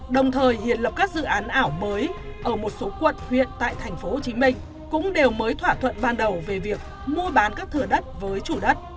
đồng thời hiện lập các dự án ảo mới ở một số quận huyện tại tp hcm cũng đều mới thỏa thuận ban đầu về việc mua bán các thửa đất với chủ đất